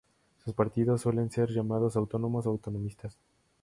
Sus partidarios suelen ser llamados "autónomos" o "autonomistas".